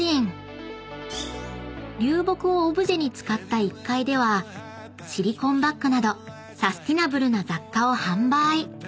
［流木をオブジェに使った１階ではシリコンバッグなどサスティナブルな雑貨を販売］